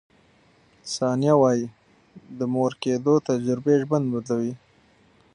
ثانیه وايي، د مور کیدو تجربې ژوند بدلوي.